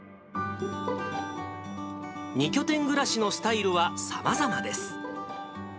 ２拠点暮らしのスタイルはさまざまです。